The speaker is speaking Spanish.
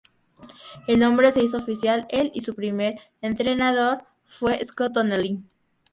El nombre se hizo oficial el y su primer entrenador fue Scott Donnelly.